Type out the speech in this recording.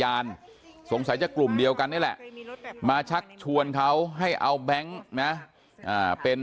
สงสัยจะกลุ่มเดียวกันนี่แหละมาชักชวนเขาให้เอาแบงค์นะเป็น